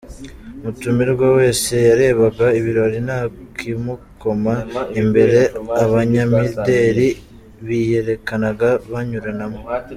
Mutumirwa wese yarebaga ibirori nta kimukoma. Imbere Abanyamideli biyerekanaga banyuranamo.